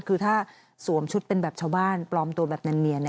คือถ้าสวมชุดเป็นแบบชาวบ้านปลอมตัวแบบเนียน